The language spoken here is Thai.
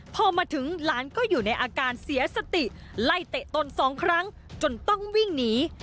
พอมาถึงหลานก็อยู่ในอาการเสียสติไล่เตะตนสองครั้งจนต้องวิ่งหนี